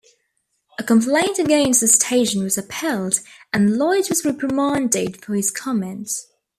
A complaint against the station was upheld and Lloyd was reprimanded for his comments.